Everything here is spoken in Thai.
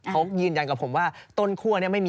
เรื่องต้นคั่วก่อนไหม